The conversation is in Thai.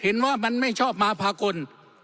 เห็นว่ามันไม่ชอบมาพากล